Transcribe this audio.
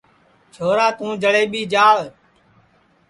چھورا توں جݪئیٻی جاݪ